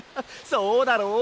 そうだろう？